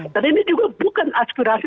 dan ini juga bukan aspirasi